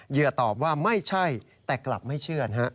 เหยืตอบว่าไม่ใช่แต่กลับไม่เชื่อนะฮะ